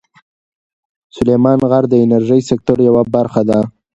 سلیمان غر د انرژۍ سکتور یوه برخه ده.